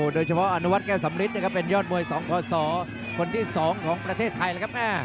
โดยเฉพาะอาณวัธแก้วสำฤิทธิ์เป็นยอดมวย๒พ๒คนที่๒ประเทศไทยครับ